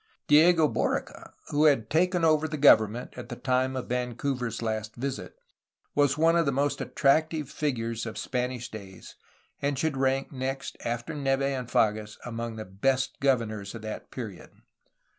Diego Borica, who had taken over the government at the time of Vancouver's last visit, was one of the most attractive figures of Spanish days, and should rank next after Neve and Fages among the best governors of that period.